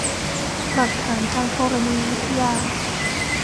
หลักฐานทางธรณีวิทยา